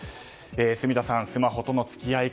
住田さん、スマホとの付き合い方